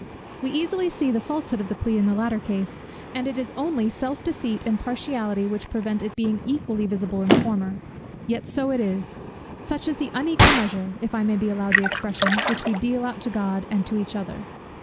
We easily see the falsehood of the plea in the latter case; and it is only self deceit and partiality which prevent its being equally visible in the former. Yet so it is; such is the unequal measure, if I may be allowed the expression, which we deal out to God, and to each other.